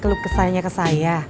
keluk kesayanya ke saya